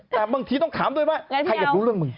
แต่บางทีต้องถามด้วยว่าใครอยากรู้เรื่องมึง